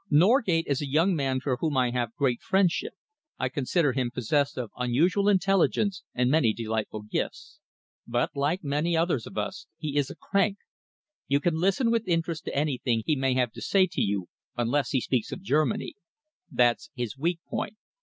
Norgate is a young man for whom I have a great friendship. I consider him possessed of unusual intelligence and many delightful gifts, but, like many others of us, he is a crank. You can listen with interest to anything he may have to say to you, unless he speaks of Germany. That's his weak point.